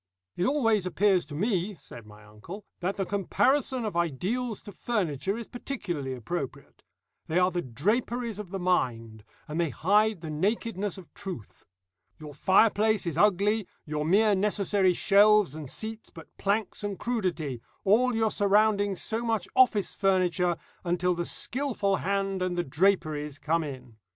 "It always appears to me," said my uncle, "that the comparison of ideals to furniture is particularly appropriate. They are the draperies of the mind, and they hide the nakedness of truth. Your fireplace is ugly, your mere necessary shelves and seats but planks and crudity, all your surroundings so much office furniture, until the skilful hand and the draperies come in.